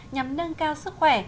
nhằm nâng cao sức khỏe